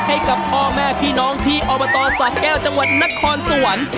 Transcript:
ให้กับพ่อแม่พี่น้องที่อบตสะแก้วจังหวัดนครสวรรค์